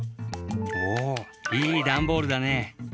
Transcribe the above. おおいいダンボールだね。